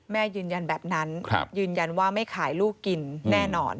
แม่ยืนยันแบบนั้นยืนยันว่าไม่ขายลูกกินแน่นอน